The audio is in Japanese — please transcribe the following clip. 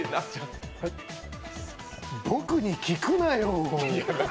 僕に聞くなよ。